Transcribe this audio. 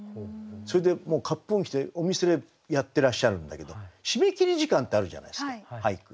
それでもうかっぽう着着てお店でやってらっしゃるんだけど締め切り時間ってあるじゃないですか俳句。